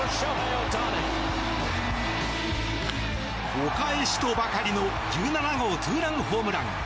お返しとばかりの１７号ツーランホームラン。